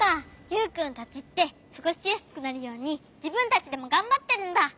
ユウくんたちってすごしやすくなるようにじぶんたちでもがんばってるんだ。